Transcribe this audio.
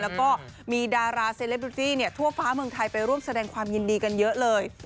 แล้วก็มีดาราเซเลปริฟฟี่ทั่วฟ้าเมืองไทยไปร่วมแสดงความยินดีกันเยอะเลย